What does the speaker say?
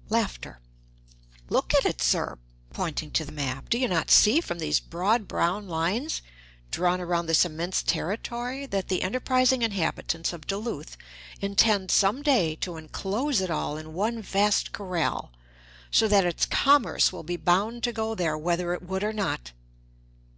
Look at it, sir! (Pointing to the map.) Do not you see from these broad, brown lines drawn around this immense territory that the enterprising inhabitants of Duluth intend some day to inclose it all in one vast corral, so that its commerce will be bound to go there, whether it would or not?